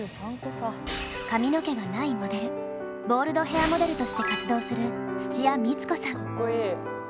髪の毛がないモデルボールドヘアモデルとして活動するかっこいい。